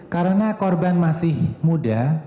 karena korban masih muda